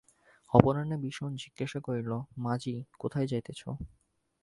অপরাহ্নে বিষণ জিজ্ঞাসা করিল, মাজি, কোথায় যাইতেছ?